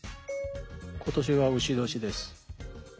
「今年は丑年です」。